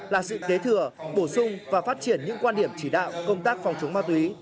là sự kế thừa bổ sung và phát triển những quan điểm chỉ đạo công tác phòng chống ma túy